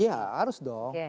iya harus dong